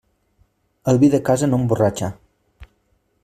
El vi de casa no emborratxa.